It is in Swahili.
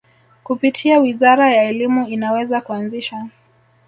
kupitia wizara ya Elimu inaweza kuanzisha